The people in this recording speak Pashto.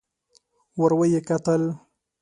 ور ويې کتل.